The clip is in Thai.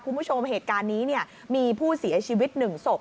คุณผู้ชมเหตุการณ์นี้มีผู้เสียชีวิต๑ศพ